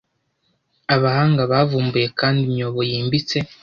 Abahanga bavumbuye kandi imyobo yimbitse